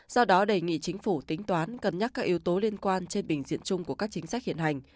do đó đề nghị chính phủ tính toán cân nhắc các yếu tố liên quan trên bình diện chung của các chính sách hiện hành